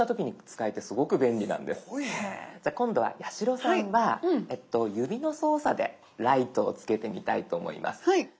今度は八代さんは指の操作でライトをつけてみたいと思います。